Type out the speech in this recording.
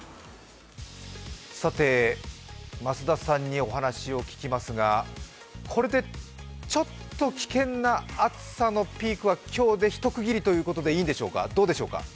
さて、増田さんにお話を聞きますがこれでちょっと危険な暑さのピークは今日で一区切りということでいいんでしょうか。